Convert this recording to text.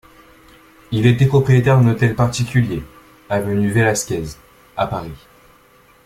Il était propriétaire d'un hôtel particulier, avenue Vélasquez, à Paris.